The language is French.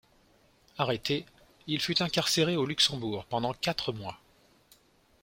Arrêté, il fut incarcéré au Luxembourg pendant quatre mois.